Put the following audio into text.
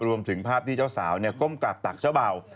รวมถึงภาพที่เจ้าสาวก้มกราบตักเจ้าเบา